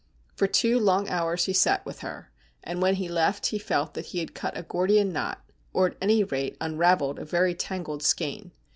For two long hours he sat with her, and when he left he felt that he had cut a Gordian knot, or, at any rate, unravelled a very tangled skein.